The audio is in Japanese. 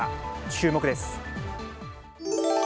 注目です。